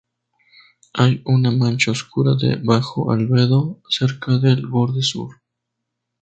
Hay una mancha oscura de bajo albedo cerca del borde sur.